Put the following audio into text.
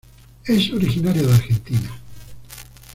Es originaria de Argentina.